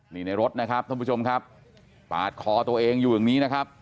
นี่ในรถนะครับท่านผู้ชมครับปาดคอตัวเองอยู่อย่างนี้นะครับ